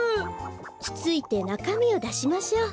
つついてなかみをだしましょう。